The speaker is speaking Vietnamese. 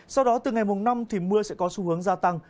sau đó từ ngày mùng năm thì mưa sẽ có xu hướng gia tăng